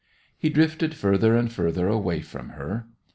He drifted further and further away from her.